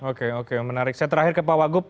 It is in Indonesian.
oke oke menarik saya terakhir ke pak wagup